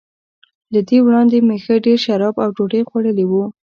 له دې وړاندي مې ښه ډېر شراب او ډوډۍ خوړلي وو.